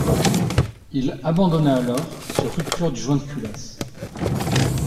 Il abandonna alors sur rupture du joint de culasse.